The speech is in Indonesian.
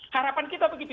harapan kita begitu